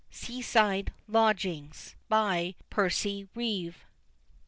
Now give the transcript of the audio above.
SEASIDE LODGINGS. PERCY REEVE.